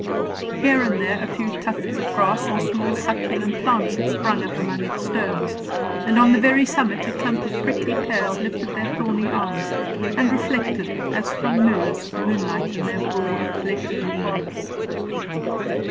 Here and there a few tufts of grass or small succulent plants had sprung up among its stones, and on the very summit a clump of prickly pears lifted their thorny arms, and reflected, as from mirrors, the moonlight on their broad fleshy leaves.